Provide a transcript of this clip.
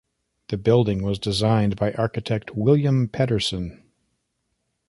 The building was designed by architect William Pedersen.